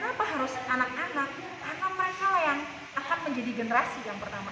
kenapa harus anak anak atau mereka lah yang akan menjadi generasi yang pertama